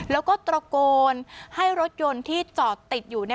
แล้วก็ตระโกนให้รถยนต์ที่จอดติดอยู่